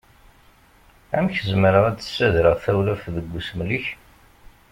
Amek zemreɣ ad d-ssadreɣ tawlaft deg usmel-ik?